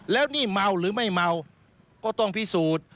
แล้วนี่เมาหรือไม่เมาก็ต้องพิสูจน์